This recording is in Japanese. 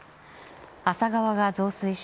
厚狭川が増水し